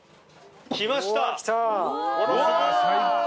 きました。